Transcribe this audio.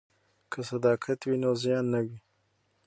که صداقت وي نو زیان نه وي.